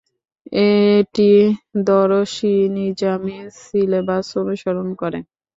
এটি দরস-ই-নিজামী সিলেবাস অনুসরণ করে।